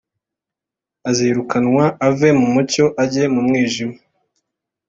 azirukanwa ave mu mucyo ajye mu mwijima,